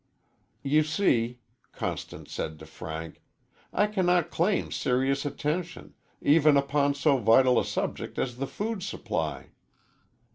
"You see," Constance said to Frank, "I cannot claim serious attention, even upon so vital a subject as the food supply."